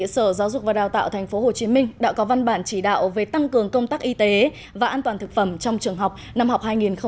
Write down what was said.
sở giáo dục và đào tạo tp hcm đã có văn bản chỉ đạo về tăng cường công tác y tế và an toàn thực phẩm trong trường học năm học hai nghìn hai mươi hai nghìn hai mươi